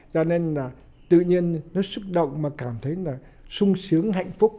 cho nên là tự nhiên nó xúc động mà cảm thấy là sung sướng hạnh phúc